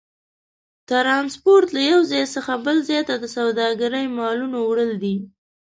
ترانسپورت له یو ځای څخه بل ځای ته د سوداګرۍ مالونو وړل دي.